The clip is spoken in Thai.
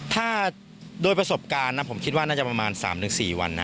ถ้าโดยประสบการณ์นะผมคิดว่าน่าจะประมาณ๓๔วันนะ